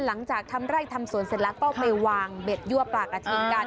หลังจากทำไร่ทำสวนเสร็จแล้วก็ไปวางเบ็ดยั่วปลากระทิงกัน